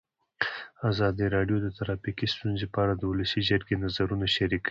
ازادي راډیو د ټرافیکي ستونزې په اړه د ولسي جرګې نظرونه شریک کړي.